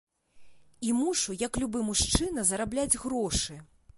І мушу як любы мужчына зарабляць грошы!